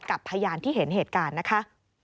กับพยานที่เห็นเหตุการณ์นะคะ